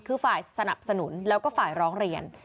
คือฝ่ายสนับสนุนแล้วก็ฝ่ายร้องเรียน